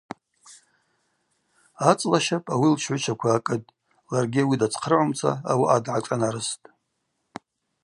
Ацӏла щапӏ ауи лчгӏвычаква акӏытӏ, ларгьи ауи дацхърагӏумца ауаъа дгӏашӏанарыстӏ.